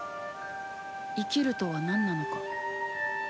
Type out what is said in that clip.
生きるとはなんなのか。